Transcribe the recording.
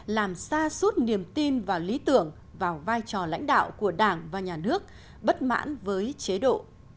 làm xa suốt niềm tin và lý tưởng vào vai trò lãnh đạo của đảng và nhà nước bất mãn với chế độ